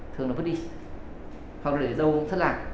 thường nó vứt đi hoặc để đâu cũng thất lạc